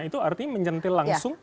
itu artinya menjentil langsung